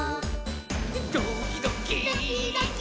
「ドキドキ」ドキドキ。